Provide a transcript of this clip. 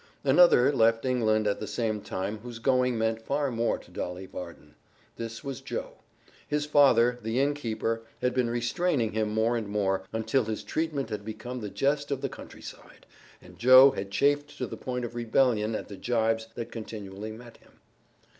Another left England at the same time whose going meant far more to Dolly Varden. This was Joe. His father, the innkeeper, had been restraining him more and more, until his treatment had become the jest of the country side, and Joe had chafed to the point of rebellion at the gibes that continually met him.